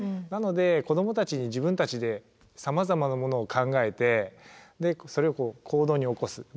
なので子どもたちに自分たちでさまざまなものを考えてでそれを行動に起こす。